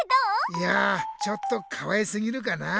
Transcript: いやちょっとかわいすぎるかな。